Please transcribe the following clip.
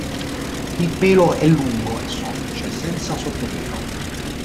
Il pelo è lungo e soffice, senza sottopelo.